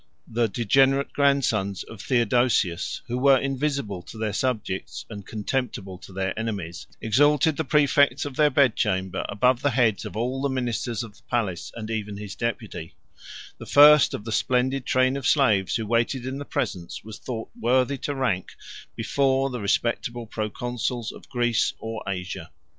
The degenerate grandsons of Theodosius, who were invisible to their subjects, and contemptible to their enemies, exalted the præfects of their bed chamber above the heads of all the ministers of the palace; 142 and even his deputy, the first of the splendid train of slaves who waited in the presence, was thought worthy to rank before the respectable proconsuls of Greece or Asia.